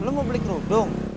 lu mau beli kerudung